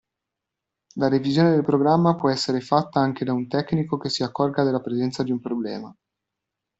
La revisione del programma può essere fatta anche da un tecnico che si accorga della presenza di un problema.